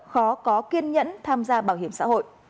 khó có kiên nhẫn tham gia bảo hiểm xã hội